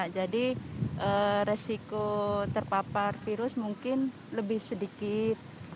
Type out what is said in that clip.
jadi resiko terpapar virus mungkin lebih sedikit